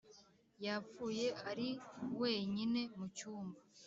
yapfuye ari wenyine mu cyumba